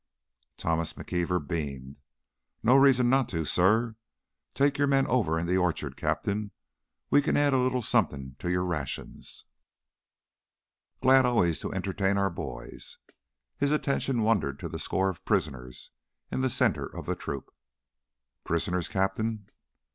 Thomas McKeever beamed. "No reason not, suh. Take your men over in the orchard, Captain. We can add a little something to your rations. Glad, always glad to entertain our boys." His attention wandered to the score of "prisoners" in the center of the troop. "Prisoners, Captain?"